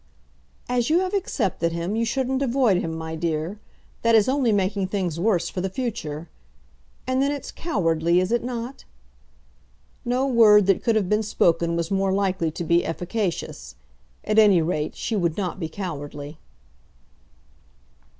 "As you have accepted him, you shouldn't avoid him, my dear. That is only making things worse for the future. And then it's cowardly, is it not?" No word that could have been spoken was more likely to be efficacious. At any rate, she would not be cowardly.